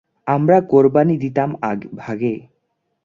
আমরা কোরবানি দিতাম ভাগে।